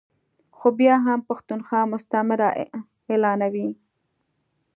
خو بیا هم پښتونخوا مستعمره اعلانوي ا